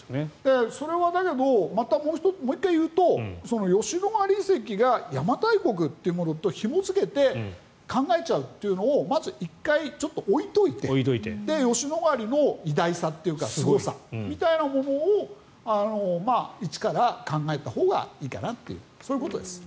それは、だけどまたもう１回言うと吉野ヶ里遺跡が邪馬台国というものとひも付けて考えちゃうというのをまず一回置いておいて吉野ヶ里の偉大さというかすごさみたいなものを一から考えたほうがいいかなというそういうことです。